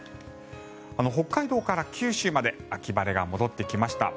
北海道から九州まで秋晴れが戻ってきました。